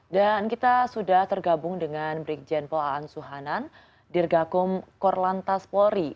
dan kita sudah tergabung dengan brigjen poa an suhanan dirgakum korlantas polri